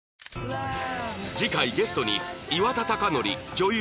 次回ゲストに岩田剛典女優